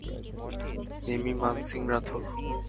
Mimi Mansingh Rathore.